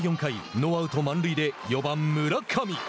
ノーアウト、満塁で４番、村上。